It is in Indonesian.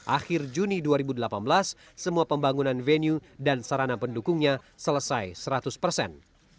akhir juni dua ribu delapan belas semua pembangunan venue dan sarana pendukungnya selesai seratus persen